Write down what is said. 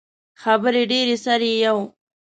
خبرې ډیرې سر ئې یؤ